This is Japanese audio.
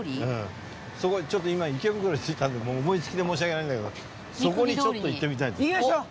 そこへちょっと今池袋に着いたんで思いつきで申し訳ないんだけどそこにちょっと行ってみたいんです。